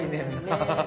ハハハ。